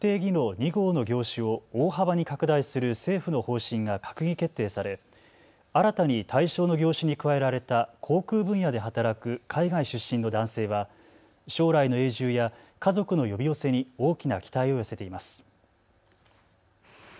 ２号の業種を大幅に拡大する政府の方針が閣議決定され新たに対象の業種に加えられた航空分野で働く海外出身の男性は将来の永住や家族の呼び寄せに大きな期待を寄せています。